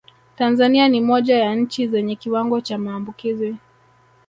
Tanzania ni moja ya nchi zenye kiwango cha maambukizi